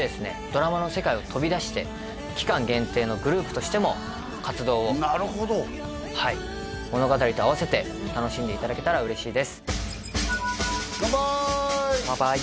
ドラマの世界を飛び出して期間限定のグループとしても活動をなるほどはい物語と併せて楽しんでいただけたら嬉しいですカンパーイ！